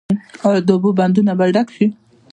آیا د اوبو بندونه به ډک شي؟